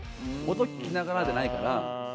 音聴きながらじゃないから。